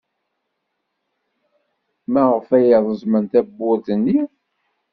Maɣef ay reẓmen tawwurt-nni?